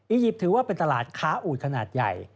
ยิปต์ถือว่าเป็นตลาดค้าอูดขนาดใหญ่